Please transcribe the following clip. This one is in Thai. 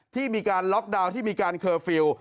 ที่มีการล็อกดาวน์ที่มีการเคอร์ฟิลล์